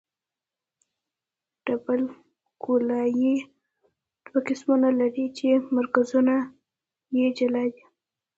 ډبل ګولایي دوه قوسونه لري چې مرکزونه یې جلا دي